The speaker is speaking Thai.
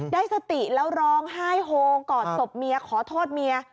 ได้สติแล้วร้องไห้โฮงกอดศพเมียขอโทษเมีย